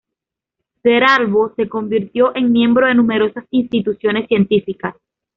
Cerralbo se convirtió en miembro de numerosas instituciones científicas.